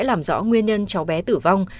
làm rõ nguyên nhân cho bé tử vong